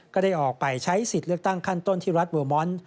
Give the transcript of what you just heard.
ก็ได้ออกไปใช้สิทธิ์เลือกตั้งขั้นต้นที่รัฐเวอร์มอนด์